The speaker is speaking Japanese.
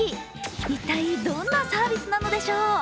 一体どんなサービスなのでしょう。